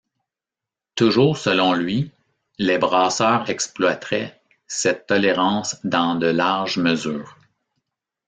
Toujours selon lui, les brasseurs exploiteraient cette tolérance dans de larges mesures.